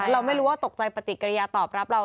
เราไม่รู้ว่าตกใจปฏิกิริยาตอบรับเรา